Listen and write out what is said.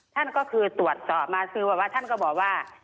ท่านก็คือตรวจสอบมาคือว่าท่านก็บอกว่า